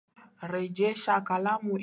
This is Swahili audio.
Rejesha kalamu ile kwa mwenyewe.